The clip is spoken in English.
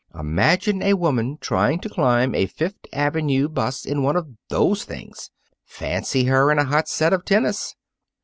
Imagine a woman trying to climb a Fifth Avenue 'bus in one of those things. Fancy her in a hot set of tennis.